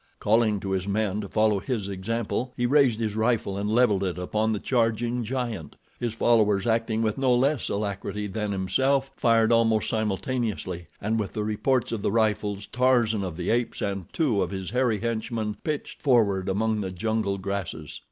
Calling to his men to follow his example he raised his rifle and leveled it upon the charging giant. His followers, acting with no less alacrity than himself, fired almost simultaneously, and with the reports of the rifles, Tarzan of the Apes and two of his hairy henchmen pitched forward among the jungle grasses.